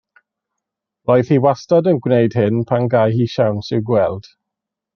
Roedd hi wastad yn gwneud hyn pan gâi hi siawns i'w gweld.